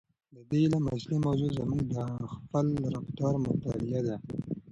د دې علم اصلي موضوع زموږ د خپل رفتار مطالعه ده.